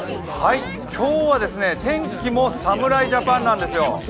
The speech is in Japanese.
今日は天気も侍ジャパンなんですよ。